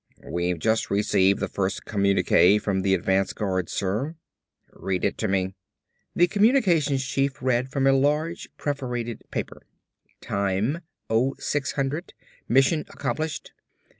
"We've just received the first communique from the advance guard, sir." "Read it to me." The communications chief read from a large perforated paper. "Time 0600 mission accomplished.